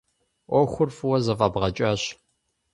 Ӏуэхур фӏыуэ зэфӏэбгъэкӏащ.